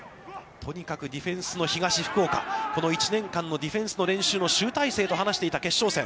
とにかくディフェンスの東福岡、この１年間のディフェンスの練習の集大成と話していた決勝戦。